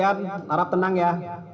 jadi rekan rekan sekalian harap tenang ya